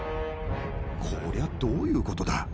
こりゃどういうことだ？